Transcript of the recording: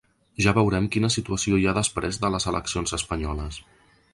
Ja veurem quina situació hi ha després de les eleccions espanyoles.